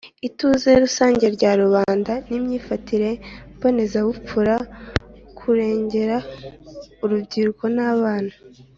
Ituze rusange rya rubanda n imyifatire mbonezabupfura ukurengera urubyiruko n abana